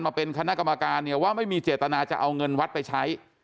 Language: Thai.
มาเป็นคณะกรรมการเนี่ยว่าไม่มีเจตนาจะเอาเงินวัดไปใช้